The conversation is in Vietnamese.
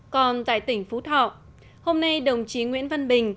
còn tại tỉnh phú thọ hôm nay đồng chí nguyễn văn bình